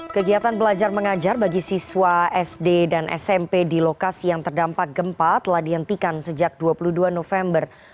kegiatan belajar mengajar bagi siswa sd dan smp di lokasi yang terdampak gempa telah dihentikan sejak dua puluh dua november